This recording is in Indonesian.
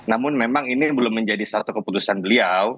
namun memang ini belum menjadi satu keputusan beliau